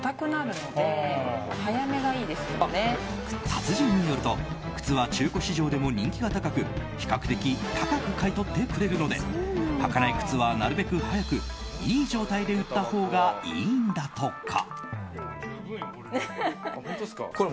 達人によると靴は中古市場でも人気が高く比較的高く買い取ってくれるので履かない靴はなるべく早く、いい状態で売ったほうがいいんだとか。